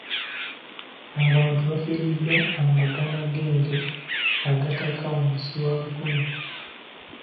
Abantu bafiiriddwa amagana g'ente agatakka wansi wa lukumi.